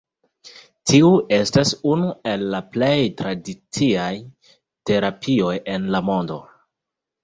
Tiu estas unu el la plej tradiciaj terapioj en la mondo.